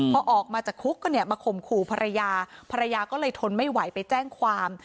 พอออกมาจากคุกก็เนี่ยมาข่มขู่ภรรยาภรรยาก็เลยทนไม่ไหวไปแจ้งความ